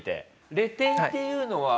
レ点っていうのは？